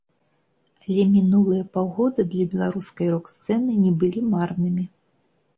Але мінулыя паўгода для беларускай рок-сцэны не былі марнымі.